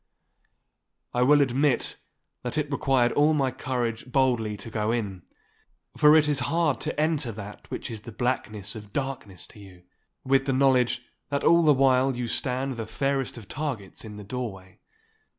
I will admit that it required all my courage boldly to go in, for it is hard to enter that which is the blackness of darkness to you, with the knowledge that all the while you stand the fairest of targets in the doorway.